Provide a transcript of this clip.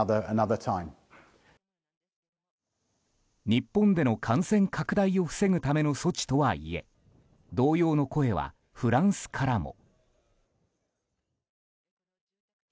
日本での感染拡大を防ぐための措置とはいえ同様の声はフランスからも。